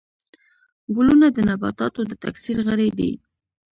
ګلونه د نباتاتو د تکثیر غړي دي